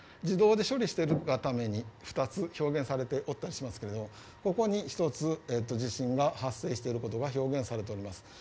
自動で処理しているために２つ表現されていますがここに１つ地震が発生していることが表現されています。